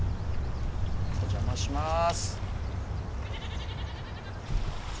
お邪魔します。